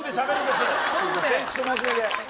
すいませんクソ真面目で。